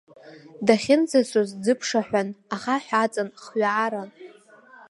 Дахьынӡацоз ӡыԥшаҳәан, ахаҳә аҵан, хҩааран.